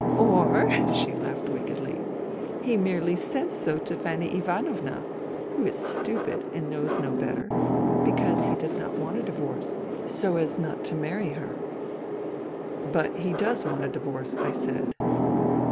Or," she laughed wickedly, " he merely says so to Fanny Ivanovna, who is stupid and knows THE THREE SISTERS 55 no better, because he does not want a divorce ... so as not to marry her." "But he does want a divorce," I said.